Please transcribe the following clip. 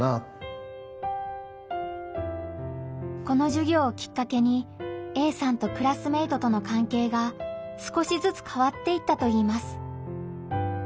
このじゅぎょうをきっかけにＡさんとクラスメートとのかんけいが少しずつ変わっていったといいます。